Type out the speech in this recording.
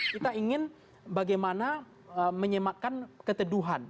kita ingin bagaimana menyematkan keteduhan